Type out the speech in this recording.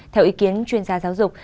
theo ý kiến chuyên gia giáo dục